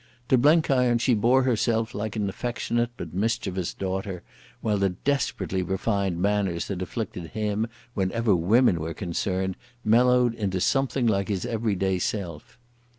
To Blenkiron she bore herself like an affectionate but mischievous daughter, while the desperately refined manners that afflicted him whenever women were concerned mellowed into something like his everyday self.